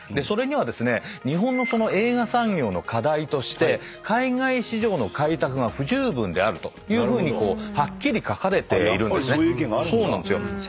それにはですね日本の映画産業の課題として海外市場の開拓が不十分であるというふうにはっきり書かれているんですね。